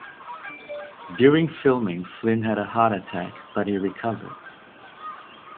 During filming Flynn had a heart attack but he recovered.